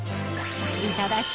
いただき！